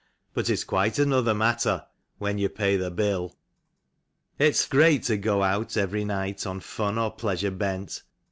But it's quite another matter when you Pay the bill. It's great to go out every night on fun or pleasure bent.